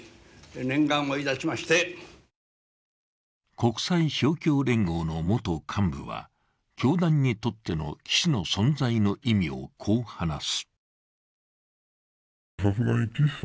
国際勝共連合の元幹部は教団にとっての岸の存在の意味をこう話す。